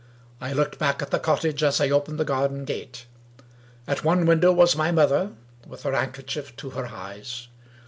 I looked back at the cottage as I opened the garden gate. At one window was my mother, with her handkerchief to her eyes.